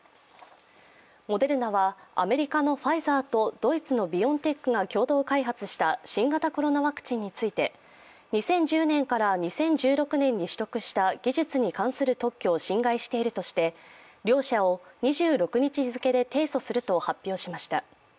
モデルナはアメリカのファイザーとドイツのビオンテックが共同開発した新型コロナワクチンについて、２０１０年から２０１６年に取得した技術に関する特許を侵害しているとして、両社を２６日付で提訴すると発表しました。